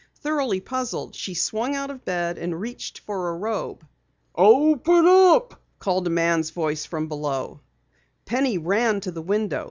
Thoroughly puzzled, she swung out of bed and reached for a robe. "Open up!" called a man's voice from below. Penny ran to the window.